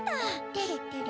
てれてれ。